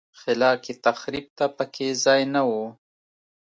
خلاق تخریب ته په کې ځای نه و.